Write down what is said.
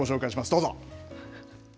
どうぞ。